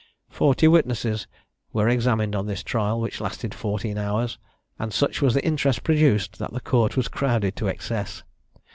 Forty witnesses were examined on this trial, which lasted fourteen hours; and such was the interest produced, that the court was crowded to excess.